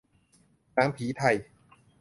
หนังผีไทย